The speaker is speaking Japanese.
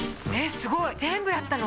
すごい全部やったの？